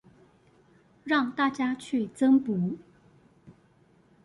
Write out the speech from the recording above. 讓大家去增補